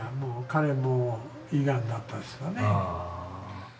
彼も胃がんだったですよね。